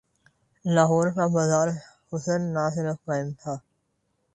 لاہور کا بازار حسن نہ صرف قائم تھا۔